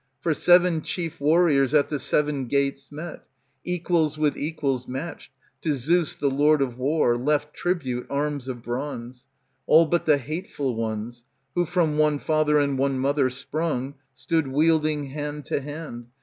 ^ For seven chief warriors at the seven gates met, Equals with equals matched, To Zeus, the Lord of War, Left tribute, arms of bronze ; All but the hateful ones. Who, from one father and one mother sprung, Stood wielding, hand to hand.